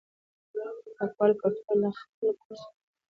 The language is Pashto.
د پاکوالي کلتور باید له خپل کور څخه پیل کړو.